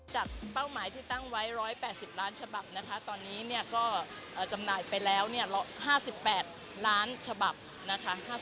เป้าหมายที่ตั้งไว้๑๘๐ล้านฉบับนะคะตอนนี้เนี่ยก็จำหน่ายไปแล้ว๕๘ล้านฉบับนะคะ